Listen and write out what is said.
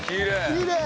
きれい。